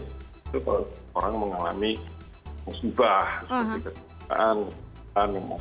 itu kalau orang mengalami musibah seperti kecelakaan